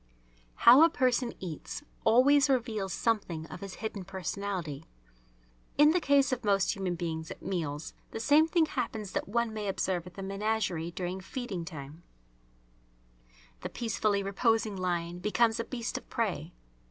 How a person eats always reveals something of his hidden personality. In the case of most human beings at meals the same thing happens that one may observe at the menagerie during feeding time: the peacefully reposing lion becomes a beast of prey.